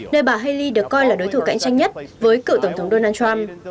nơi bà haley được coi là đối thủ cạnh tranh nhất với cựu tổng thống donald trump